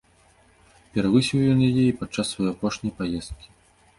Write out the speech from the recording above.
Перавысіў ён яе і падчас сваёй апошняй паездкі.